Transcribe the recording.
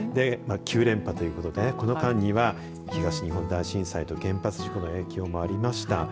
９連覇ということで、この間には東日本大震災と原発事故の影響もありました。